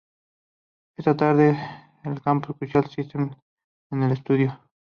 Esa tarde, Campo escuchó "Solar System" en el estudio.